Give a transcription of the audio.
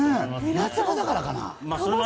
夏場だからかな。